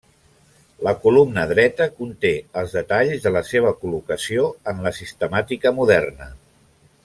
La columna dreta conté els detalls de la seva col·locació en la sistemàtica moderna.